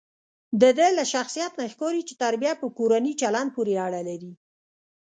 دده له شخصیت نه ښکاري چې تربیه په کورني چلند پورې اړه لري.